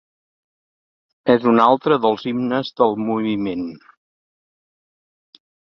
És un altre dels himnes del moviment.